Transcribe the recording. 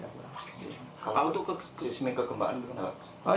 kalau itu ke sistem kegembaan